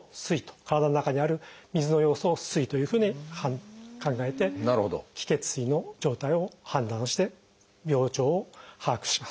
体の中にある水の要素を「水」というふうに考えて「気・血・水」の状態を判断をして病状を把握します。